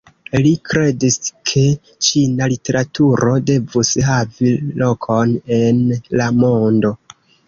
Li kredis ke ĉina literaturo devus havi lokon en la mondo.